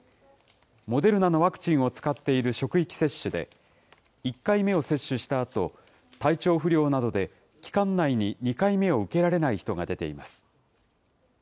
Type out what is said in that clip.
モデルナのワクチンを使っている職域接種で、１回目を接種したあと、体調不良などで期間内に２回目を受けられない人が出ています。